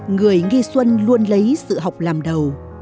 người nghi xuân luôn lấy sự học làm đầu